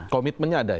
komitmennya ada ya